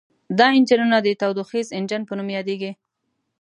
دا انجنونه د تودوخیز انجن په نوم یادیږي.